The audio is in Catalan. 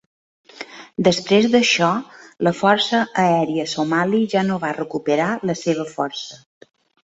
Després d'això la Força Aèria Somali ja no va recuperar la seva força.